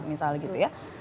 misalnya gitu ya